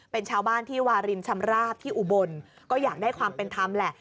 เป็นชาวบ้านที่วารินชำราบที่อุบลก็อยากได้ความเป็นธรรมแหละ